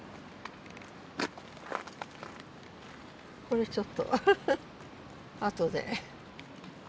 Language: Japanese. これちょっと後で。